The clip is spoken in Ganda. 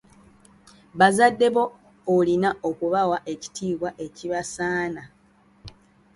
Bazadde bo olina okubawa ekitiibwa ekibasaana.